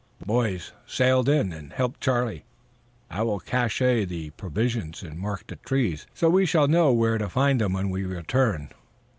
"Boys, sail in and help Charlie. I will cache the provisions and mark the trees so we shall know where to find them when we return."